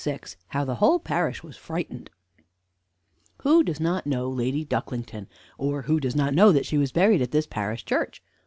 VI HOW THE WHOLE PARISH WAS FRIGHTENED Who does not know Lady Ducklington, or who does not know that she was buried at this parish church?